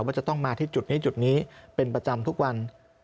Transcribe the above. ว่าจะต้องมาที่จุดนี้จุดนี้เป็นประจำทุกวัน